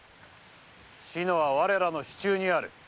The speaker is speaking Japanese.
志乃は我らの手中にある。